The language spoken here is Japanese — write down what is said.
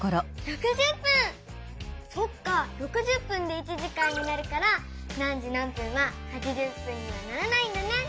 そっか６０分で１時間になるから何時何分は８０分にはならないんだね。